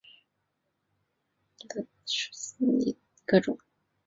细裂复叶耳蕨为鳞毛蕨科复叶耳蕨属下的一个种。